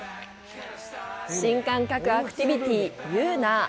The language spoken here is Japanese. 新感覚アクティビティユーナー。